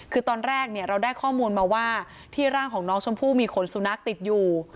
คือตอนแรกเราได้ข้อมูลมาว่าที่ร่างของน้องชมพู่มีขนสุนัขติดอยู่